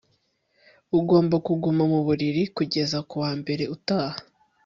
Ugomba kuguma mu buriri kugeza kuwa mbere utaha